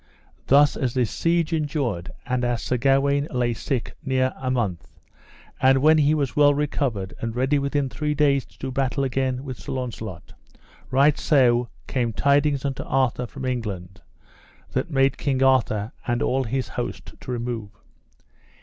Thus as this siege endured, and as Sir Gawaine lay sick near a month; and when he was well recovered and ready within three days to do battle again with Sir Launcelot, right so came tidings unto Arthur from England that made King Arthur and all his host to remove.